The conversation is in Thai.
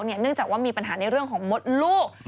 เนื่องจากว่ามีปัญหาในเรื่องของมดลูก